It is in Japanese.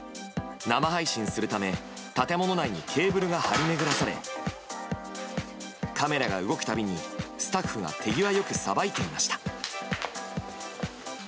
生配信するため建物内にケーブルが張り巡らされカメラが動く度にスタッフが手際良くさばいていました。